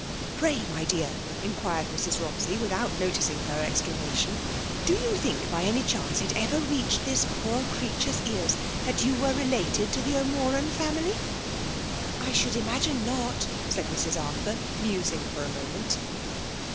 '*'Pray, my dear/' enquired Mrs. Bobs^y, iiFithout noticing her exclamation, " do you think by any chance it ever reached this poor creature's ears that you were related to the O'Moran family?" *' I should imagine not," said Mrs. Arthur, musing for a moment.